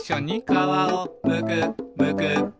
「かわをむくむく」